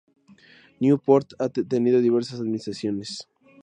Newport ha tenido diversas administraciones.